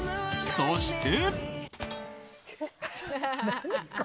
そして。